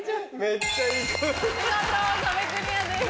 見事壁クリアです。